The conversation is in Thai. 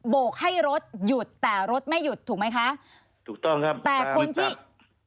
โกกให้รถหยุดแต่รถไม่หยุดถูกไหมคะถูกต้องครับแต่คนที่